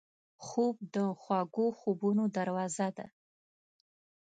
خوب د خوږو خوبونو دروازه ده